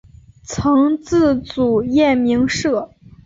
曾自组燕鸣社。